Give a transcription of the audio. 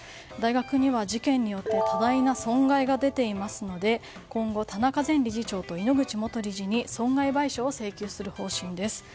大学には事件によって多大な損害が出ていますので今後、田中前理事長と井ノ口元理事に損害賠償を請求する方針です。